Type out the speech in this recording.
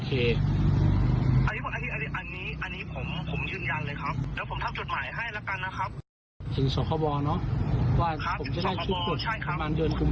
คนที่ไม่สบายใจด้วยนะครับต้องไหมฮะ